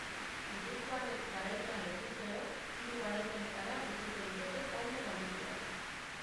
Gipuzkoarrek garaipena lortuz gero hiru garaipenera utziko lukete talde galiziarra.